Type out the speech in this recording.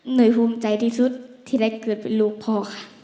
ภูมิใจที่สุดที่ได้เกิดเป็นลูกพ่อค่ะ